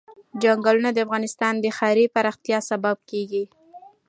چنګلونه د افغانستان د ښاري پراختیا سبب کېږي.